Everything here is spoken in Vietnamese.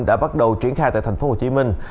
đã bắt đầu triển khai tại thành phố hồ chí minh